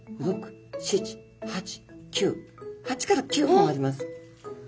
８９本あります。